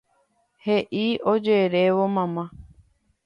He'i ojerévo mama.